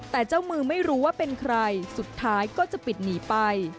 แต่เจ้ามือไม่รู้ว่าเป็นใครสุดท้ายก็จะปิดหนีไป